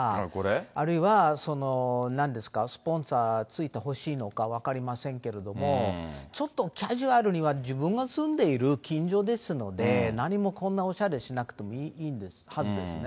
あるいはその、スポンサーついてほしいのか分かりませんけれども、ちょっとカジュアルには、自分が住んでいる近所ですので、何もこんなおしゃれしなくてもいいはずですよね。